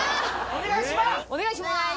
お願いします